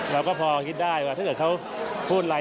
เราก็พอคิดได้ว่าถ้าเกิดเขาพูดอะไร